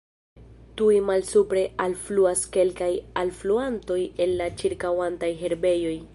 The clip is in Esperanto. Tuj malsupre alfluas kelkaj alfluantoj el la ĉirkaŭantaj herbejoj.